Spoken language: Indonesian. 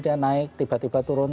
dia naik tiba tiba turun